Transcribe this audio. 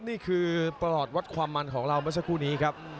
นี่คือประหลอดวัดความมันของเราเมื่อสักครู่นี้ครับ